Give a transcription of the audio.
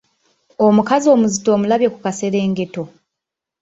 Omukazi omuzito omulabye ku kaserengeto?